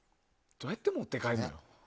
どうやって持って帰るの？